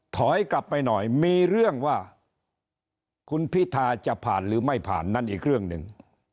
ถอยกลับไปหน่อยมีเรื่องว่าคุณพิธาจะผ่านหรือไม่ผ่านนั่นอีกเรื่องหนึ่ง